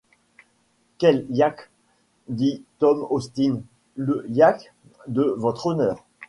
Quel yacht ? dit Tom Austin, le yacht de Votre Honneur ?